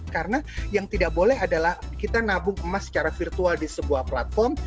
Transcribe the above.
karena yang tidak boleh adalah kita nabung emas secara virtual di sebuah platform